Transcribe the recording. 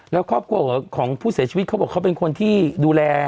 แล้วครอบครัวของผู้เสียชีวิตเขาบอกเขาเป็นคนที่ดูแล